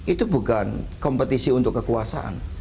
itu bukan kompetisi untuk kekuasaan